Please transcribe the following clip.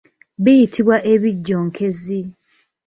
Biyitibwa ebijjonkezi.